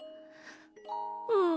うん。